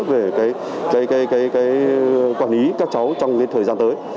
về quản lý các cháu trong thời gian tới